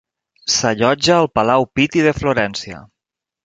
S'allotja al Palau Piti de Florència.